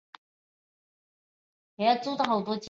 它通常是内核实现的一种系统调用。